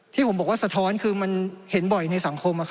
ที่ผมบอกว่าสะท้อนคือมันเห็นบ่อยในสังคม